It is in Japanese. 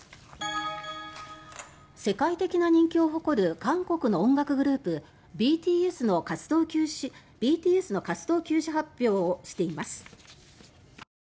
世界的な人気を誇る韓国の音楽グループＢＴＳの活動休止発表をしています。